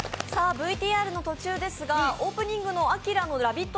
ＶＴＲの途中ですがオープニングの明の「ラヴィット！」